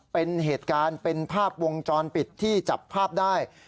เป็นเหตุการณ์เป็นภาพวงจรปิดที่จับภาพได้